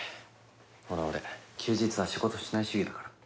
ほら俺休日は仕事しない主義だから。